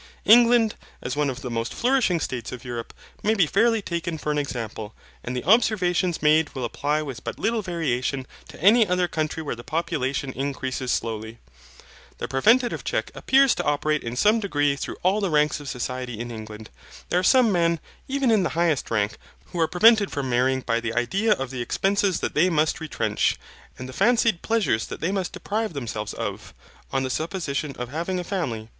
England, as one of the most flourishing states of Europe, may be fairly taken for an example, and the observations made will apply with but little variation to any other country where the population increases slowly. The preventive check appears to operate in some degree through all the ranks of society in England. There are some men, even in the highest rank, who are prevented from marrying by the idea of the expenses that they must retrench, and the fancied pleasures that they must deprive themselves of, on the supposition of having a family.